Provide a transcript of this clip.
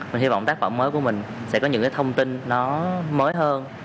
mình hy vọng tác phẩm mới của mình sẽ có những thông tin mới hơn